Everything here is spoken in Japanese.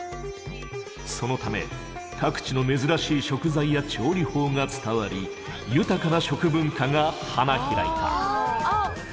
そのため各地の珍しい食材や調理法が伝わり豊かな食文化が花開いた。